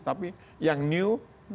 tapi yang new